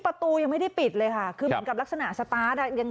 ประตูยังไม่ได้ปิดเลยค่ะคือเหมือนกับลักษณะสตาร์ทอ่ะยัง